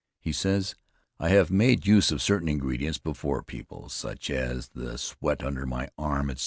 He says, "I have made use of certain, ingredients before people, such as the sweat under my arm, etc.